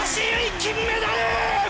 金メダル！